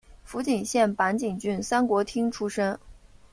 福井县坂井郡三国町出身。